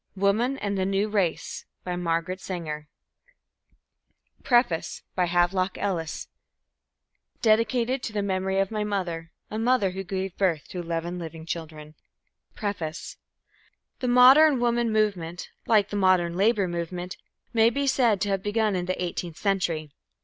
WOMAN AND THE NEW RACE BY MARGARET SANGER With A Preface By Havelock Ellis New York 1920 DEDICATED TO THE MEMORY OF MY MOTHER, A MOTHER WHO GAVE BIRTH TO ELEVEN LIVING CHILDREN PREFACE The modern Woman Movement, like the modern Labour Movement, may be said to have begun in the Eighteenth century.